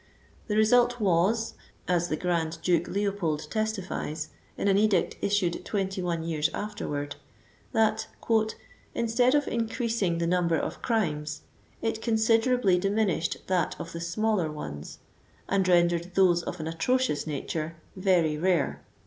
The result was, as the Grand Duke Leopold testifies, in an edict issued twenty one years afterward, that *• instead of increasing the number of crimes, it considerably diminished that of the smaller ones, and rendered those of an atrocious nature very rare."